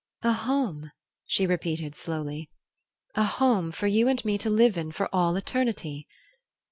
"A home," she repeated, slowly, "a home for you and me to live in for all eternity?"